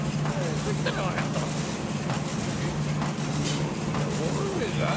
「ん分かんねえか？